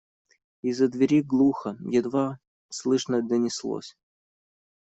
И из-за двери глухо, едва слышно донеслось: